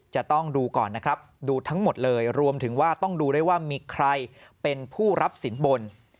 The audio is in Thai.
จะต้องดูก่อนนะครับดูทั้งหมดเลยรวมถึงว่าต้องดูด้วยว่ามีใครเป็นผู้รับสินบน